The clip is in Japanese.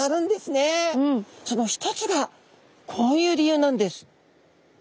その一つがこういう理由なんです。